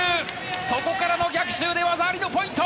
そこからの逆襲で技ありのポイント！